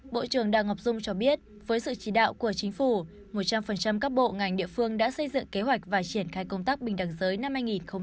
bộ trưởng đào ngọc dung cho biết với sự chỉ đạo của chính phủ một trăm linh các bộ ngành địa phương đã xây dựng kế hoạch và triển khai công tác bình đẳng giới năm hai nghìn hai mươi